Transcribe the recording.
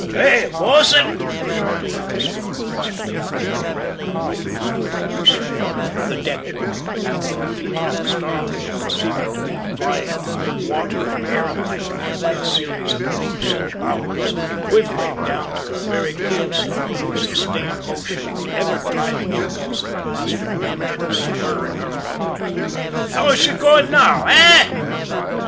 "Hi, bo'sun!" shouted out the skipper presently, after carrying on like this for a goodish spell, the deck working beneath our feet and the Star of the North seeming to be flying through water and air alike by a series of leaps and bounds, quivering down to her very kelson with the sustained motion and the ever driving impulse of her masterful engines spurring her onward. "How is she going now, eh?"